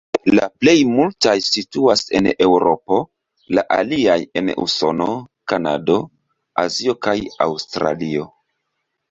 La plej multaj situas en Eŭropo, la aliaj en Usono, Kanado, Azio kaj Aŭstralio.